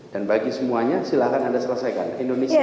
dan bagi semuanya silahkan anda selesaikan